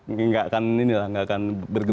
nggak akan ini lah nggak akan bergembir